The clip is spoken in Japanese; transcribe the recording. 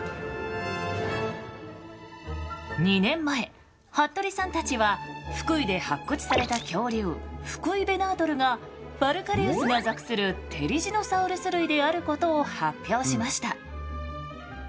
２年前服部さんたちは福井で発掘された恐竜フクイベナートルがファルカリウスが属するテリジノサウルス類であることを発表しました。